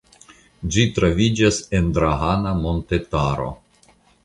Ĝi troviĝas en Drahana montetaro.